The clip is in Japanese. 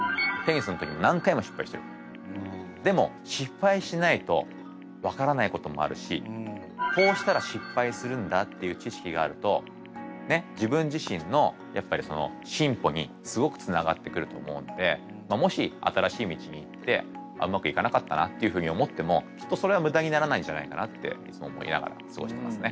でも失敗しないと分からないこともあるしこうしたら失敗するんだっていう知識があるとねっ自分自身のやっぱり進歩にすごくつながってくると思うのでもし新しい道に行ってうまくいかなかったなっていうふうに思ってもきっとそれは無駄にならないんじゃないかなっていつも思いながら過ごしてますね。